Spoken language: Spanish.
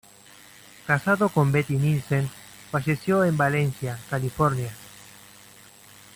Casado con Betty Nielsen, falleció en Valencia, California.